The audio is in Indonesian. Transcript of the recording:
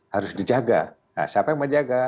harus dijaga nah siapa yang menjaga